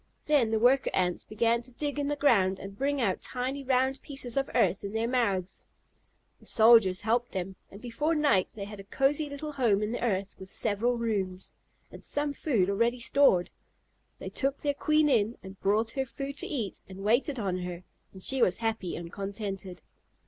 Then the worker Ants began to dig in the ground and bring out tiny round pieces of earth in their mouths. The soldiers helped them, and before night they had a cosy little home in the earth, with several rooms, and some food already stored. They took their queen in, and brought her food to eat, and waited on her, and she was happy and contented.